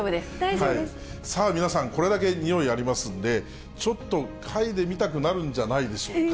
さあ皆さん、これだけにおいありますんで、ちょっと嗅いでみたくなるんじゃないでしょうか？